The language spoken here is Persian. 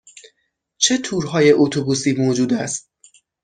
چه تورهای اتوبوسی موجود است؟